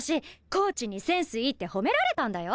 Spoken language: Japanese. コーチにセンスいいって褒められたんだよ